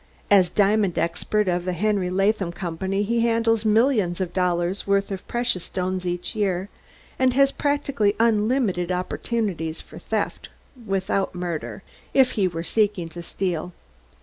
As diamond expert of the Henry Latham Company he handles millions of dollars' worth of precious stones each year, and has practically unlimited opportunities for theft, without murder, if he were seeking to steal.